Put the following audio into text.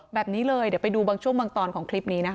แบบนี้เลยเดี๋ยวไปดูบางช่วงบางตอนของคลิปนี้นะคะ